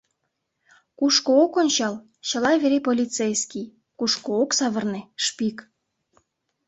Кушко ок ончал — чыла вере полицейский, кушко ок савырне — шпик...